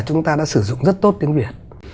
chúng ta đã sử dụng rất tốt tiếng việt